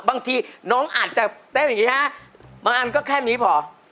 บางทีน้องอาจจะเต้นอย่างนี้ฮะบางอันก็แค่นี้พอ